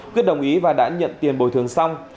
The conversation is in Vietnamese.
quyết đồng ý và đã nhận tiền bồi thường xong